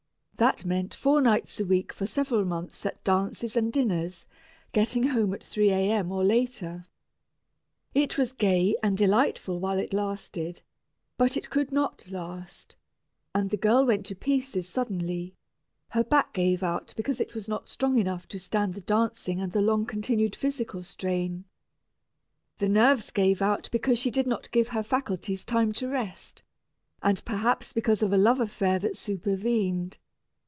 That meant four nights a week for several months at dances and dinners, getting home at 3 A.M. or later. It was gay and delightful while it lasted, but it could not last, and the girl went to pieces suddenly; her back gave out because it was not strong enough to stand the dancing and the long continued physical strain. The nerves gave out because she did not give her faculties time to rest, and perhaps because of a love affair that supervened.